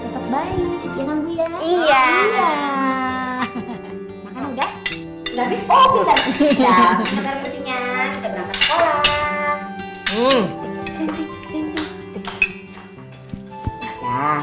kita berangkat sekolah